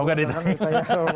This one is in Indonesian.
oh nggak ada